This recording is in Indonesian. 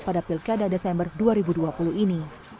pada pilkada desember dua ribu dua puluh ini